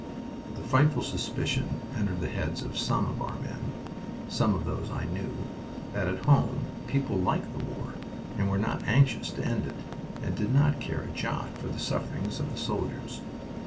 The frightful suspicion entered the heads of some of our men (some of those I knew) that at home people liked the war and were not anxious to end it, and did not care a jot for the sufferings of the soldiers.